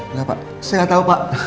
enggak pak saya nggak tahu pak